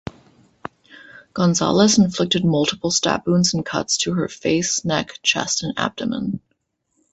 Gonzales inflicted multiple stab wounds and cuts to her face, neck, chest and abdomen.